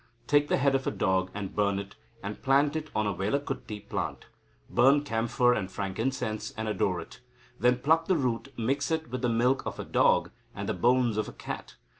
Take the head of a dog and burn it, and plant on it a vellakuthi plant. Burn camphor and frankincense, and adore it. Then pluck the root, mix it with the milk of a dog, and the bones of a cat.